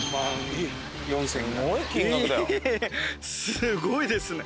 すごいですね。